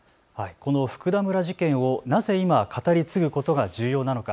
この福田村事件をなぜ今、語り継ぐことが重要なのか。